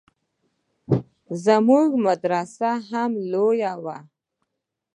زموږ مدرسه هم لويه وه.